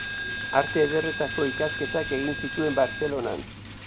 Arte Ederretako ikasketak egin zituen, Bartzelonan.